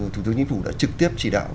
thủ tướng chính phủ đã trực tiếp chỉ đạo